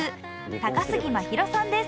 高杉真宙さんです。